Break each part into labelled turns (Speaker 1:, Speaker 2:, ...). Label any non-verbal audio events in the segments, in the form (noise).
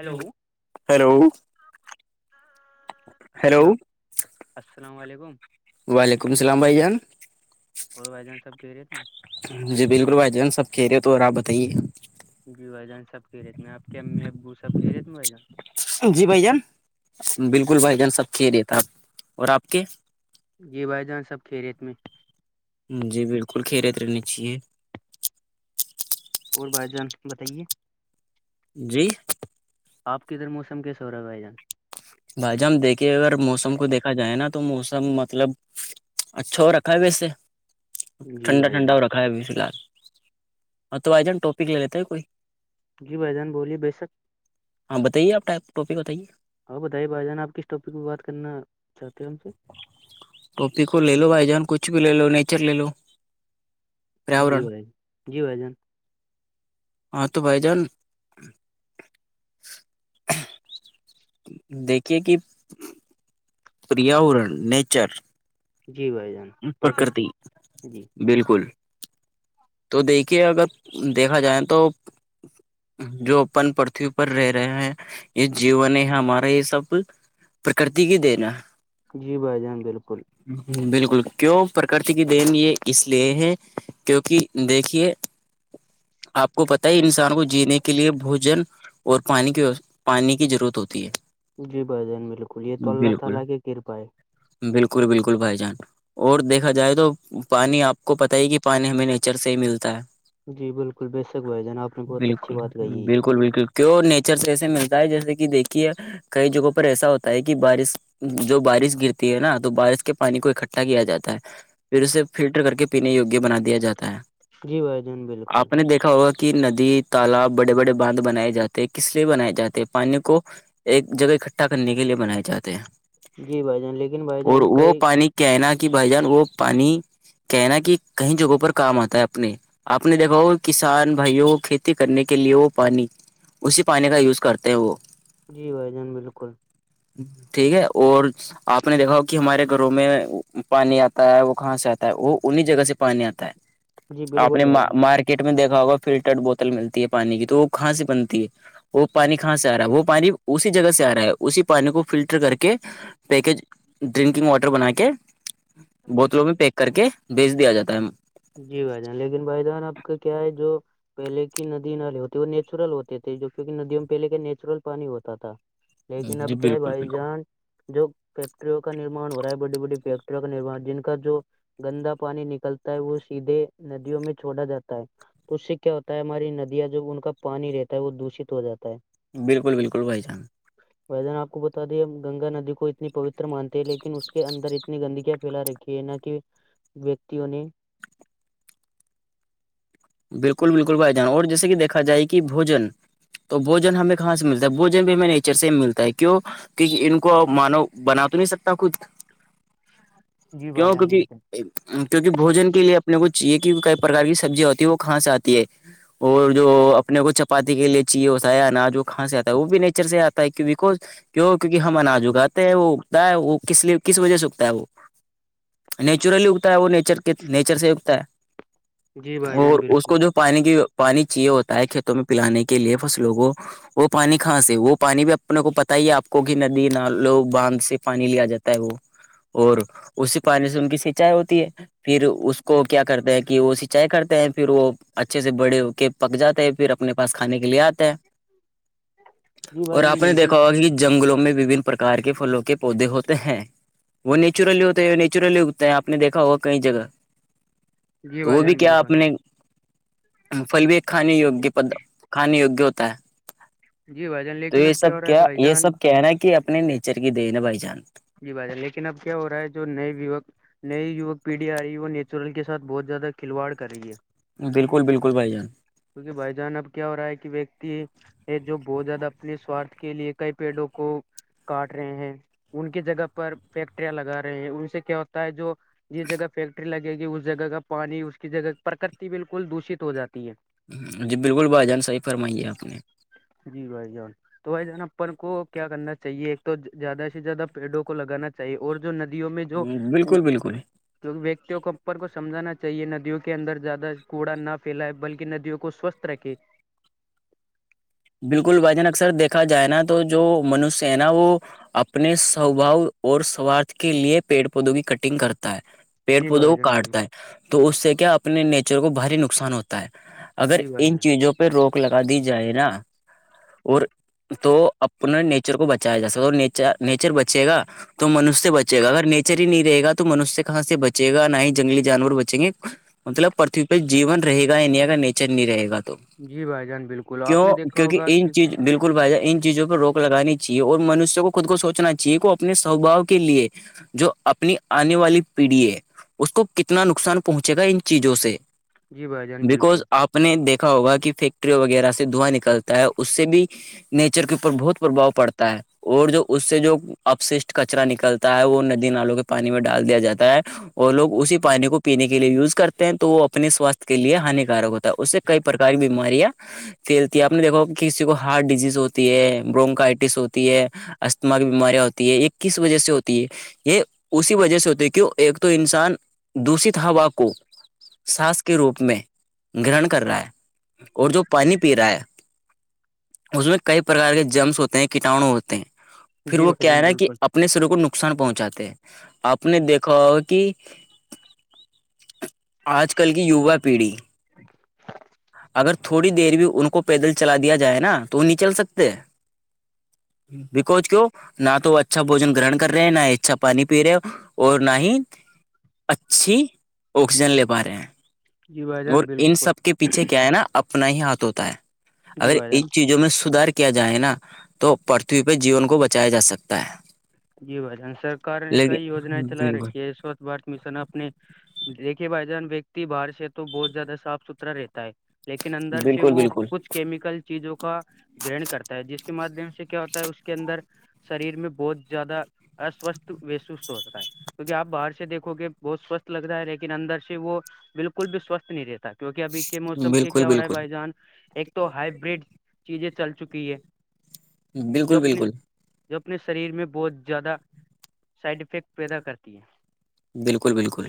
Speaker 1: hello hello
Speaker 2: السلام السلام علیکم
Speaker 1: وعلیکم السلام بھائی جان
Speaker 2: اور بھائی جان سب خیریت
Speaker 1: جی بالکل بھائی جان سب خیریت اور آپ بتائیے
Speaker 2: جی بھائی جان سب خیریت میں ہیں آپ کے امی ابو سب خیریت میں بھائی جان
Speaker 1: جی بھائی جان بالکل بھائی جان سب خیریت اور آپ کے
Speaker 2: جی بھائی جان سب خیریت میں
Speaker 1: جی بالکل خیریت رہنی چاہیے
Speaker 2: اور بھائی جان بتائیے
Speaker 1: جی
Speaker 2: آپ کے ادھر موسم کیسا ہو رہا بھائی جان
Speaker 1: بھائی جان ہم دیکھیے اگر موسم کو دیکھا جائے نا تو موسم مطلب اچھا ہو رکھا ہے ویسے
Speaker 2: جی
Speaker 1: ٹھنڈا
Speaker 2: بھائی
Speaker 1: ٹھنڈا
Speaker 2: جان
Speaker 1: ہو رکھا بھی فلحال اور تو بھائی جان ٹوپی لگتا ہے کوئی
Speaker 2: جی بھائی جان بولیے بے شک
Speaker 1: ہاں بتائیے آپ ٹپ ٹاپک بتائیے
Speaker 2: ہاں بتائیے بھائی جان آپ کس ٹاپک پر بات کرنا چاہتے ہو ہم سے
Speaker 1: ٹوپک کو لے لو بھائی جان کچھ بھی لے لو نیچر لے لو
Speaker 2: جی
Speaker 1: پریاورن
Speaker 2: بھائی جی بھائی جان
Speaker 1: ہاں تو بھائی جان دیکھیے کہ پریاورن نیچر
Speaker 2: جی بھائی جان
Speaker 1: پرکرتی
Speaker 2: جی
Speaker 1: بالکل تو دیکھیے اگر دیکھا جائے تو جو اپن پرتھوی پر رہ رہے ہیں یہ جیون ہے ہمارا یہ سب پرکرتی کی دینا
Speaker 2: جی بھائی جان بالکل
Speaker 1: بالکل کیوں پرکرتی کی دین یہ اس لیے ہے کیونکہ دیکھیے آپ کو پتا ہے انسان کو جینے کے لیے بوجن اور پانی کی پانی کی ضرورت ہوتی ہے
Speaker 2: جی بھائی جان بالکل یہ تو اللہ
Speaker 1: بالکل
Speaker 2: تعالی کرپا ہے
Speaker 1: بالکل بالکل بھائی جان اور دیکھا جائے تو پانی آپ کو پتا ہے کہ پانی ہمیں نہیں نیچر سے ہی ملتا ہے
Speaker 2: جی بالکل بے شک بھائی جان آپ نے بہت اچھی
Speaker 1: بالکل
Speaker 2: بات کہی ہے
Speaker 1: بالکل بالکل کیوں نیچر سے ایسے ملتا ہے جیسے کہ دیکھیے کئی جگہوں پر ایسا ہوتا ہے کہ بارش جو بارش گرتی ہے نا تو بارش کے پانی کو اکٹھا کیا جاتا ہے پھر اسے فلٹر کر کے پینے یگ بنا دیا جاتا ہے
Speaker 2: جی بھائی جان بالکل
Speaker 1: دھا ہوا کہ ندی تالاب بڑے بڑے باندھ بنائے جاتے ہیں کس لیے بنائے جات ہیں پانی کو ایک جگہ اکٹھا کرنے کے لیے بنائے جاتے ہیں
Speaker 2: جی بھائی جان لیکن بھائی
Speaker 1: اور
Speaker 2: جان
Speaker 1: وہ
Speaker 2: کئی
Speaker 1: پانی کی کہنا کہ بھائی جان وہ پانی کہنا کہ کئی جگہوں پر کام آتا ہے اپنے آپ نے دیکھاؤ کسان بھائیوں کو کھیتی کرنے کے لیے وہ پانی اسی پانی کا یوز کرتے ہیں وہ
Speaker 2: جی بھائی جان بالکل (unintelligible)
Speaker 1: ٹھیک ہے اور (unintelligible) آپ نے دیکھا ہو کہ ہمارے گھروں میں پانی آتا ہے وہ کہاں سے آتا ہے وہ انہیں جگہ سے پانی آتا ہے
Speaker 2: جی
Speaker 1: آپ
Speaker 2: بالکل
Speaker 1: نے
Speaker 2: بھائی جان
Speaker 1: مارکیٹ میں دیکھا ہوگا فلٹرڈ بوتل ملتی ہے پانی کی تو وہ کہاں سے بنتی ہے وہ پانی کہاں سے آ رہا ہے وہ پانی اسی جگہ سے آ رہا ہے اسی پانی کو فلٹر کر کے پیکج ڈرنکنگ واٹر بنا کے بوتلوں میں پیک کر کے بھیج دیا جاتا ہے
Speaker 2: جی بھائی جان لیکن بھائی جان آپ کا کیا ہے جو پہلے کی ندی نالے ہوتے وہ نیچرل ہوتے تھے جو کیونکہ ندیوں میں پہلے کے نیچرل پانی ہوتا تھا لیکن
Speaker 1: جی
Speaker 2: اب کیا ہے
Speaker 1: بالکل
Speaker 2: بھائی
Speaker 1: بالکل
Speaker 2: جان جو فیکٹریوں کا نرمان ہو رہا ہے بڑی بڑی فیکٹریوں کا نرمان جن کا جو گندا پانی نکلتا ہے وہ سیدھے ندیوں میں چھوڑا جاتا ہے اس سے کیا ہوتا ہے ہماری ندیاں جو ان کا پانی رہتا ہے وہ دوشت ہو جاتا ہے
Speaker 1: بالکل بالکل بھائی جان
Speaker 2: ویدن آپ کو بتا دیا ہم گنگا ندی کو اتنی پوتر مانتے ہیں لیکن اس کے اندر اتنی گندگیاں پھیلا رہی کہ نہ کہ ویکتیوں نے (unintelligible)
Speaker 1: بالکل بالکل بھائی جان اور جیسے کہ دیکھا جائے کہ بوجن تو بوجن ہمیں کہاں سے ملتا ہے بوجن بھی ہمیں نیچر سے ملتا ہے کیوں کہ ان کو مانو بنا تو نہیں سکتا کچھ
Speaker 2: جی
Speaker 1: کیوں
Speaker 2: بھائی جان
Speaker 1: کیونکہ
Speaker 2: بالکل
Speaker 1: کیونکہ بوجن کے لیے اپنے کو چاہیے کہ کئی پرار کی سبزیا ہوتی ہے وہ کہاں سے آتی ہے اور جو اپنے کو چپاتی کے لیے چاہیے ہوتا ن جو کھاں سے آتا ہے وہ بھی نیچر سے آتا ہے کی بیکز کیوں کیونکہ ہم اناج اگاتے ہیں وہ اگتا ہے وہ کس لیے کس وجہ سے اگتا ہے وہ نیچرلی اگتا ہے وہ نیچر کے نیچر سے ہی اگتا ہے
Speaker 2: جی بھائی جان
Speaker 1: اور
Speaker 2: بھی (unintelligible)
Speaker 1: اس کو جو پانی کی پانی چیے ہوتا ہے کھیتوں میں پلانے کے لیے فصلوں کو وہ پانی کاں سے وہ پانی بھی اپنے کو پتا ہی ہے آپ کو کہ ندی نالوں باندھ سے پانی لیا جاتا ہے وہ اور اسی پانی سے ان کی سینچائی ہوتی ہے پھر اس کو کیا کرتے ہیں کہ وہ سینچائی کرتے ہیں پھر وہ اچھے سے بڑے ہو کے پک جاتا ہے پھر اپنے پاس کھانے کے لیے آتا ہے
Speaker 2: جی بھائی
Speaker 1: اور
Speaker 2: جان
Speaker 1: آپ نے
Speaker 2: بالکل
Speaker 1: دیکھا ہوگا کہ جنگلوں میں وبھن پرکار کے پھلوں کے پودے ہوتے ہیں وہ نیچرلی ہوتا ہے نیچرلی اگتا ہے آپ نے دیکھا ہوا کہئی جگہ (unintelligible)
Speaker 2: جی
Speaker 1: تو وہ
Speaker 2: بھائی
Speaker 1: بھی
Speaker 2: جان
Speaker 1: کیا
Speaker 2: بالکل
Speaker 1: آپ نے (unintelligible) پل بھی ایک کھانے وگ پ کھان وگیہ ہوتا ہے
Speaker 2: جی بھائی جان
Speaker 1: تو
Speaker 2: لیکن
Speaker 1: یہ
Speaker 2: اب ہو
Speaker 1: سب
Speaker 2: رہا ہے
Speaker 1: کیا
Speaker 2: بھائی
Speaker 1: یہ
Speaker 2: جان
Speaker 1: سب کہنا کہ اپنے نیچر کی دینا بھائی جان
Speaker 2: جی بات لیکن اب کیا ہو رہا ہے جو نئے یوک نئی یوک پیڑھی آ رہی ہے وہ نیچرل کے سھ بہت زیادہ کھلواڑ کر رہی ہے
Speaker 1: بالکل بالکل بھائی جان
Speaker 2: کیونکہ بھائی جان اب کیا ہو رہا ہے کہ ویکتی یہ جو بہت زیادہ اپنے سوارھ کے لیے کئی پیڑوں کو کاٹ رہے ہیں ان کی جگہ پر فیکٹریاں لگا رہے ہیں ان سے کیا ہوتا ہے جو (unintelligible) جس جگہ فیکٹری لگے گی اس جگہ کا پانی اس کی جگہ پرکرتی بالکل دشت ہو جاتی ہے
Speaker 1: جی بالکل بھائی جان صحیح فرمائیے آپ نے
Speaker 2: جی بھائی جان تو بھائی جان اپن کو کیا کرنا چاہیے ایک تو زیادہ زیادہ پیڑوں کو لگانا چاہیے اور جو ندیوں میں جو
Speaker 1: بالکل بالکل
Speaker 2: کیون ویککتوں کو اپر کو سمجھانا چاہیے ندیوں کے اندر زیادہ کوڑا نہ پھیلا ہے بلکہ ندیوں کو سوستھ ترکی
Speaker 1: بالکل بھائی جان اکثر دیکھا جائے نا تو جو منش ہے نا وہ اپنے سوباؤ اور سوارھ کے لیے پیڑ پودوں کی کٹنگ کرتا ہے پیڑ
Speaker 2: جی بھائی
Speaker 1: پودوںؤ
Speaker 2: جان
Speaker 1: کاٹتا
Speaker 2: بالکل
Speaker 1: ہے تو اس سے کیا اپنے نیچر کو بھاری نقصان ہوتا ہے اگر
Speaker 2: جی بھائی
Speaker 1: ان
Speaker 2: جان
Speaker 1: چیزوں پر پہ روک لگا دی جائے نا اور تو اپنا نیچر کو بچایا جا سک اور نیچر نیچر بچے گا تو منشیہ بچے گا اگر نیچر ہی نہیں رہے گا تو منشیہ کہاں سے بچے گا نہ ہی جنگلی جانور بچیں گے مطلب پرتھوی پہ جیون رہے گا انڈیا کا نیچر نہیں رہے گا تو
Speaker 2: جی بھائی جان بالکل آپ
Speaker 1: کیوں
Speaker 2: نے دیکھ
Speaker 1: کیونکہ ان چیز بالکل بھائیا ان چیزوں پر روک لگانی چاہے اور منشوں کو خود کو سوچنا چاہے کہ اپنے سوباؤ کے لیے جو اپنی آنے والی پیڑھی ہے اس کو کتنا نقصان پہنچے گا ان چیزوں سے
Speaker 2: جی بھائی جان
Speaker 1: بکز
Speaker 2: بالکل
Speaker 1: آپ نے دیکھا ہوگا کہ فیکٹریوں وغیرہ سے دھواں نکل کرتا ہے اس سے بھی نیچر کے اوپر بہت پرباؤ پڑتا ہے اور جو اس سے جو اپششٹ کچرا نکلتا ہے وہ ندی نالوں کے پانی میں ڈال دیا جاتا ہے اور لوگ اسی پانی کو پینے کے لیے یوز کرتے ہیں تو وہ اپنے سوستھ کے لیے ہانیکارک ہوتا ہے اس سے کئی پرار کی بیماریاں تیل آپ نے دیکھو کسی کو ہارٹ ڈیزیز ہوتی ہے برونکائٹس ہوتی ہے استتھما کی بیماریاں ہوتی ہے یہ کس وجہ سے ہوتی ہے یہ اسی وجہ سے ہوتے ہے کیوں ایک تو انسان دشت ہوا کو سس کے روپ میں گرن کر رہا ہے اور جو پانی پی رہا ہے اس میں کئی پرکار کے جمس ہوتے ہیں کیٹانو ہوتے ہیں پھر
Speaker 2: جی
Speaker 1: وہ
Speaker 2: بھائی
Speaker 1: کیا ہے
Speaker 2: جان
Speaker 1: نا کہ
Speaker 2: بالکل
Speaker 1: اپنے شریر کو نقصان پہنچاتے ہیں آپ نے دیکھا ہو کہ آج کل کی یوا پیڑھی اگر تھوڑی دیر بھی ان کو پیدل چلا دیا جائے نا تو نہیں چل سکتے بیکوج کیوں نہ تو وہ اچھا بوجن گرہن کر رہے ہیں نہ ہی اچھا پانی پی رہے اور نہ ہی اچھی آکسیجن لے پا رہے ہیں
Speaker 2: جی بھائی جان
Speaker 1: اور ان
Speaker 2: بالکل
Speaker 1: سب کے پیچھے کیا ہے نا اپ اپنا ہی ہاتھ ہوتا ہے
Speaker 2: جی
Speaker 1: اگر
Speaker 2: بھائی جان
Speaker 1: ان چیزوں میں سدار کیا جائے نا تو پرتھوی پہ جیون کو بچایا جا سکتا ہے
Speaker 2: یہ ب جان سرک کئی وجنائیں
Speaker 1: لیکن
Speaker 2: چلا رہی
Speaker 1: بالکل
Speaker 2: کہو بارت مشن اپنے دیکے بھائی جان ویکتی باہر سے تو بہت زیادہ صاف ستھرا رہتا ہے لیکن اندر سے
Speaker 1: بالکل
Speaker 2: وہ
Speaker 1: بالکل
Speaker 2: کچھ کیمیکل چیزوں کا گرن کرتا ہے جس کے مادھیم سے کیا ہوتا ہے اس کے اندر شریر میں بتھ زیادہ اسوستھ و سستھ ہوتا ہے کیونکہ آپ باہر سے دیکھو گے بہت سوستھ لگتا ہے لیکن اندر سے وہ بالکل بھی سوستھ نہیں رہتا ہے کیونکہ ابھی کے موسم کے
Speaker 1: بالکل
Speaker 2: کیا ہو رہا ہے
Speaker 1: بالکل
Speaker 2: بھائی جان ایک تو ہائبرڈ چیزیں چل چکی ہیں جو
Speaker 1: بالکل
Speaker 2: اپنے
Speaker 1: بالکل
Speaker 2: جو اپنے شریر میں بہت زیادہ سائڈ افیکٹ پیدا کرتی ہے
Speaker 1: بالکل بالکل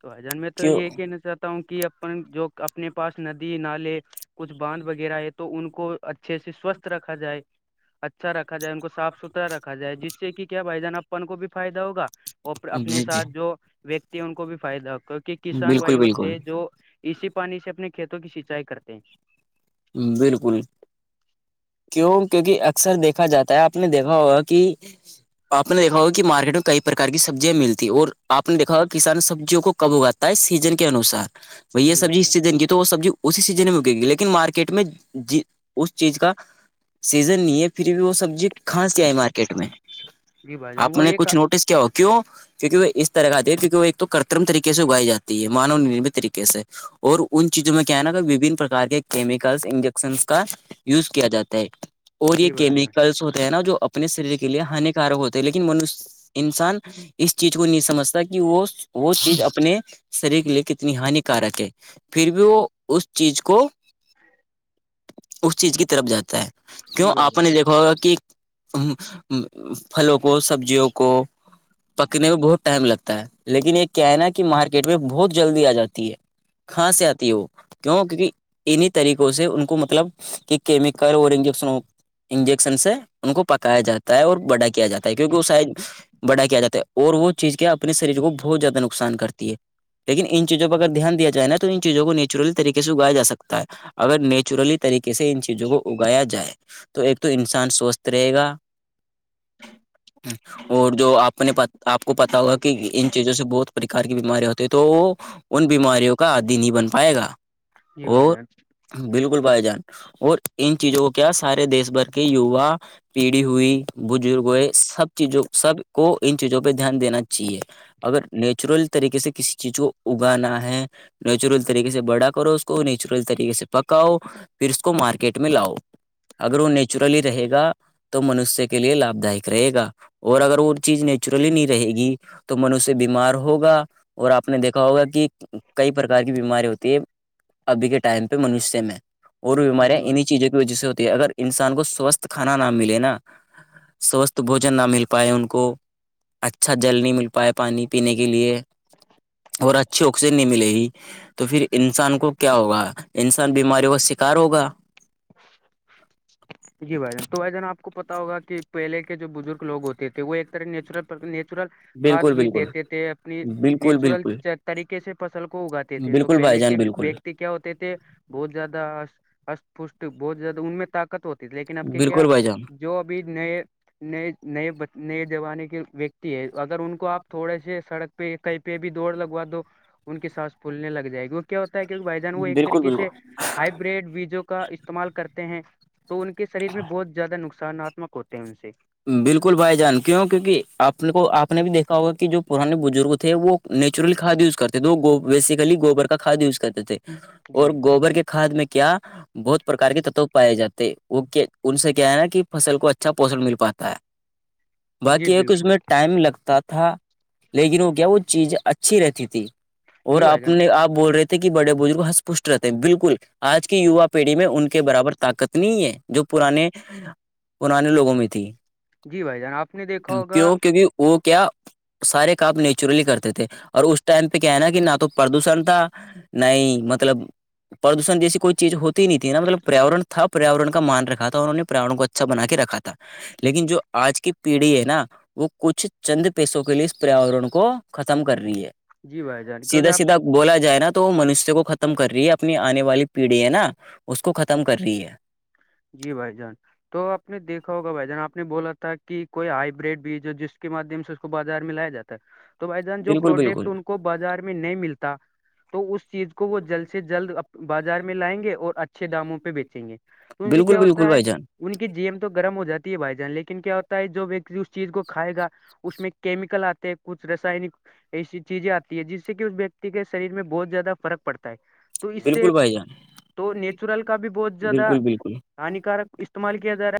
Speaker 2: تو ہجان میں تو
Speaker 1: کیوں
Speaker 2: یہ ہے کہ نا سر ہوں کہ اپن جو اپنے پاس ندی نالے کچھ باندھ وغیرہ ہے تو ان کو اچھے سے سوستھ رکھا جائے اچھا رکھا جائے ان کو صاف ستھرا رکھا جائے جس سے کہ کیا بھائی جان اپن کو بھی فائدہ ہوگا اپنے
Speaker 1: جی جی
Speaker 2: ساتھ جو ویکتی ہے ان کو بھی فائدہ ہو کیونکہ کسان
Speaker 1: بالکل
Speaker 2: بھائی ہوتے
Speaker 1: بالکل
Speaker 2: ہیں جو اسی پانی سے اپنے کھیتوں کی سینچائی کرتے ہیں
Speaker 1: بالکل کیوں کیوںکہ اکثر دیکھا جاتا ہے آپ نے دیکھا ہوا کہ آپ نے دیکا ہوگا کہ مارکیٹ میں کئی پرکار کی سبزیاں ملتی اور آپ نے دیکا ہوگا کسان سبزیوں کو کب اگاتا سیزن کے انوسار ب یہ
Speaker 2: جی
Speaker 1: سبزی
Speaker 2: بھائی
Speaker 1: اس
Speaker 2: جان
Speaker 1: سیزن کی تو وہ سبزی اسی سیزن میں اکے گی لیکن مارکیٹ کٹ میں ج اس چیز کا سیزن نہیں ہے پھر بھی وہ سبزی کھانسی کے آئی مارکیٹ میں
Speaker 2: جی بھائی جان
Speaker 1: آپ
Speaker 2: وہ
Speaker 1: میں نے
Speaker 2: ایک
Speaker 1: کچھ نوٹس کیا ہوگ کیوں کیکہ وہ اس طرح دیک کیک وہ ایک تو کرترم طریقے سے اگائی جاتی ہے مانو نرم طریقے سے اور ان چیزوں میں کیا ہے نا کہ وبھن پرار کے کیمیکلس انجیکشنس کا یوز کیا جاتا ہے اور یہ
Speaker 2: جی بھائی جان
Speaker 1: کیمیکلس ہوتے ہیں نا جو اپنے شریر کے لیے ہانیکارک ہوتے ہیں لیکن من انسان اس چیز کو نہیں سمجھتا کہ وہ وہ چیز اپنے شریر کے لیے کتنی ہانیکارک ہے پھر بھی وہ اس چیز کو
Speaker 2: ج
Speaker 1: اس چیز کی طرف جاتا ہے
Speaker 2: جی
Speaker 1: کیوں
Speaker 2: بھائی
Speaker 1: آپ
Speaker 2: جان
Speaker 1: نے دیکھا ہوگا کہ پھلوں کو سبزیوں کو پکنے میں بہت ٹائم لگتا ہے لیکن یہ کہنا کہ مارکیٹ میں بہت جلدی آ جاتی ہے کاں سے آتی ہے وہ کیوں کیونکہ انی طریقوں سے ان کو مطلب کہ کیمیکل اور انجیکشن انجیکشن سے ان کو پکایا جاتا ہے اور بڑا کیا جاتا ہے کیونکہ وہ شاید بڑا کیا جاتا ہے اور وہ چیز کے اپنے شریر کو بہت زیادہ نقصان کرتی ہے لیکن ان چیزوںہ اگر دھیان دیاائےا تو ان چیز کویچرل طریے سے اگیاا سکتا اگر نیچرلی طریقے سے ان چیزوں کو اگایا جائے تو ایک تو انسان سوستھ رہے گا اور جو آپ نے آپ کو پتا ہوگا کہ ان چیزوں سے بہت پرکار کی بیماری ہوتی ہیں تو ان بیماریوں کا آدی نہیں بن پائے گا
Speaker 2: یہ ب
Speaker 1: اور بالکل بھائی جان اور ان چیزوں کو کیا سارے دیش بھر کے یوا پیڑھی ہوئی بزرگ ہوئے سب چیزوں سب کو ان چیزوں پہ دھیان دینا چیے اگر نیچرل طریقے سے کسی چیز کو اگانا ہے نیچرل طریقے سے بڑا کرو اس کو نیچرل طریقے سے پکاؤ پھر اس کو مارکیٹ میں لاؤ اگر وہ نیچرلی رہے گا تو منوشیہ کے لیے لابھ دائک رہے گا اور اگر وہ چیز نیچرلی نہیں رہے گی تو من اس سے بیمار ہوگا اور آپ نے دیکھا ہوگا کہ کئی پرکار کی بیماری ہوتی ہے ابھی کے ٹائم پہ منشیہ میں اور وہ
Speaker 2: جی
Speaker 1: بیماریاں
Speaker 2: بھائی
Speaker 1: انہیں
Speaker 2: جان
Speaker 1: چیزوں کے جی سے ہوتی ہے اگر انسان کو سوستھ کھانا نہ ملے نا سوستھ بوجن نہ مل پائے ان کو اچھا جل نہیں مل پاائے پانی پینے کے لیے اور اچھی آکسیجن نہیں ملے گی تو پھر انسان کو کو کیا ہوگا انسان بیماریوں کا شکار ہوگا
Speaker 2: جی بھائی جان تو بھ جان آپ کو پتا ہوگا کہ پہلے کے جو بزرگ لوگ ہوتے تھے وہ ایک طرح نیچرل نیچرل کاد
Speaker 1: بالکل
Speaker 2: بھی
Speaker 1: بالکل
Speaker 2: دیتے تھے اپنی
Speaker 1: بالکل
Speaker 2: نیچرل
Speaker 1: بالکل
Speaker 2: طریقے سے فصل کو اگاات تھے تو
Speaker 1: بالکل بھائی
Speaker 2: پہل
Speaker 1: جان
Speaker 2: کے
Speaker 1: بالکل
Speaker 2: ویکتی ہوتے تھے بہت زیادہ اسپش بہت زیادہ ان میں طاقت ہوتا لیکن اب کے کیا
Speaker 1: بالکل بھائی جان
Speaker 2: جو ابھی نئے نئے نئے نئے زمانے کے ویکتی ہے اگر ان کو آپ تھوڑے سے سڑک پہ کہیں پہ بھی دوڑ لگوا دو ان کے سانس پھولنے لگ جائے گی کیا ہوتا ہے کیکہ بھائی جان وہ ایک
Speaker 1: بالکل
Speaker 2: طریقے سے
Speaker 1: بالکل
Speaker 2: ہائیبریڈ ویجو کا استعمال کرتے ہیں تو ان کے شریر میں بہت زیادہ نقصاناتمک ہوتے ہیں ان سے
Speaker 1: بالکل بھائی جان کیوں کیوںکہ آپ کو آپ نے بھی دیکھا ہوگا کہ جو پرانے بزرگ تھے وہ نیچرل کھاد یوز کرتے تھے وہ بیسیکلی گوبر کا کھاد یوز کرتے تھے اور
Speaker 2: جی
Speaker 1: گوبر کے کھاد میں کیا بہت پرکار کے تتو پائے جاتے ہیں وہ ان سے کیا ہے نا کہ فصل کو اچھا پوشن مل پاتا
Speaker 2: جی
Speaker 1: باقی ایک اس
Speaker 2: بالکل
Speaker 1: میں ٹائم لگتا تھا لیکن وہ کیا وہ چیز اچھی رہتی تھی اور
Speaker 2: جی بھائی جان
Speaker 1: اپنے آپ بول رہے تھے کہ بڑے بزرگ ہتپشٹ رہتے ہیں بالکل آج کی یوا پیڑھی میں ان کے برابر طاقت نہیں ہے جو پرانے پرانے لوگوں میں تھی
Speaker 2: جی بھائی جان آپ نے دیکھا ہوگا
Speaker 1: کیوں کیونکہ وہ کیا سارے کام نیچرلی کرتے تھے اور اس ٹائم پہ کیا ہے نا کہ نہ تو پردوشن تھا نہیں مطلب پردوشن جیسی کوئی چیز ہوتی نہیں تھی ن مطلب پریاورر تھا پریااورن کا مان رکھا تھا انہوں نے پریاور کو اچھا اھا بنا کے رکھا تھا لیکن جو آج کی پیڑھی ہے نا (unintelligible) وہ کچھ چند پیسوں کے لیے اس پریاورن کو ختم کر رہی ہے
Speaker 2: جی بھائی جان کیونکہ
Speaker 1: سیدھا
Speaker 2: آپ
Speaker 1: سیدھا بولا جائے نا تو وہ منشیہ کو ختم کر رہی ہے اپنی آنے والی پیڑھی ہے نا اس کو ختم کر رہی ہے
Speaker 2: جی بھائی جان تو آپ نے دیکھا ہوگا بھائی جان آپ نے بولا تھا کہ کوئی ہائیبریڈ بیج جس کے مادھیم سے اس کو بازار میں لایا جاتا تو بھائی جان جو
Speaker 1: بالکل
Speaker 2: پروڈکٹ
Speaker 1: بالکل
Speaker 2: ان کو بازار میں نہیں ملتا تو اس چیز کو وہ جلد سے جلد بازار میں لائیں گے اور اچھے داموں پہ بیچیں گے تو ان سے
Speaker 1: بالکل
Speaker 2: کیا
Speaker 1: بالکل
Speaker 2: ہوتا ہے
Speaker 1: بھائی جان
Speaker 2: ان کی جیم تو گرم ہو جاتی ہے بھائی جان لیکن کیا ہوتا ہے جو ویکتی اس چیز کو کھائے گا اس میں کیمیکل آتے ہیں کچھ رسائنک ایسی چیزیں آتی ہے جس سے کہ اس ویکتی کے شریر میں بہت زیادہ فرق پڑتا ہے تو اس سے
Speaker 1: بالکل بھائی جان
Speaker 2: تو نیچورل کا بھی بہت زیادہ
Speaker 1: بالکل بالکل
Speaker 2: ہانیکارک استعمال کیا جا رہا ہے